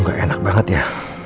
gak enak banget ya